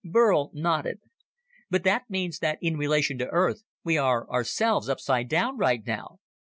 Burl nodded. "But that means that in relation to Earth we are ourselves upside down right now!"